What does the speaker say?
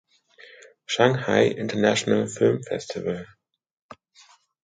Shanghai International Film Festival